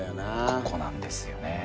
ここなんですよね。